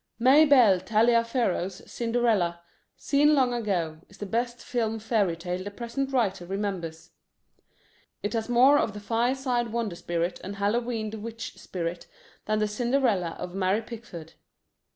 Mabel Taliaferro's Cinderella, seen long ago, is the best film fairy tale the present writer remembers. It has more of the fireside wonder spirit and Hallowe'en witch spirit than the Cinderella of Mary Pickford.